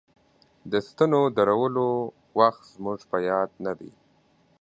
د ستنو د درولو وخت زموږ په یاد نه دی.